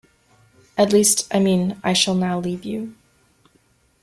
At least, I mean, I shall now leave you.